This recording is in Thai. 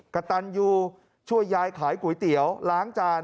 กระตันยูช่วยยายขายก๋วยเตี๋ยวล้างจาน